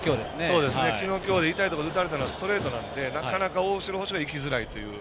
昨日、今日で痛いところ打たれたのストレートなのでなかなか、大城捕手がいきづらいという。